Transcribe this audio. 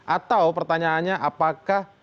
atau pertanyaannya apakah